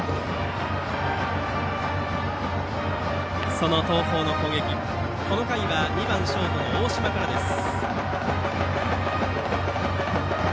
その東邦の攻撃この回は２番ショート、大島からです。